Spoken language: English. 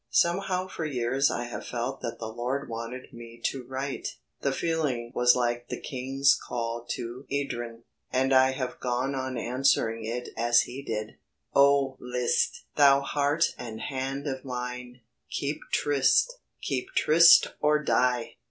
Somehow for years I have felt that the Lord wanted me to write. The feeling was like the King's call to Edryn, and I have gone on answering it as he did: "'Oh list! Thou heart and hand of mine, keep tryst, Keep tryst or die!'